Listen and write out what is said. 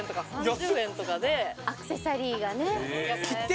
アクセサリーがね